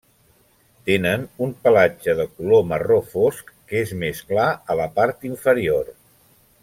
Tenen un pelatge de color marró fosc que és més clar a la par inferior.